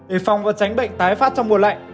để phòng và tránh bệnh tái phát trong mùa lạnh